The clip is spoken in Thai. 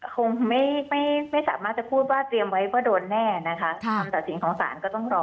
คงไม่สามารถจะพูดว่าเตรียมไว้ว่าโดนแน่นะคะคำตัดสินของศาลก็ต้องรอ